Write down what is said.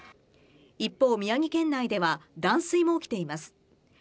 一方、宮城県内では断水も起きています。